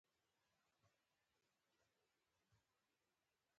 د جوړجاړي لاره دې ونیسي.